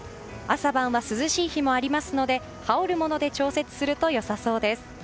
朝晩は涼しい日もありますので羽織るもので調節するとよさそうです。